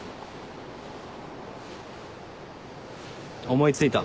思いついた。